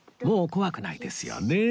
もう怖くないですよね